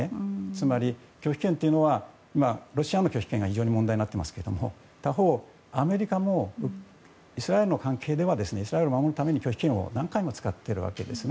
つまり、拒否権というのはロシアの拒否権が非常に問題になっていますが他方、アメリカもイスラエルの関係ではイスラエルを守るために何度も拒否権を使っています。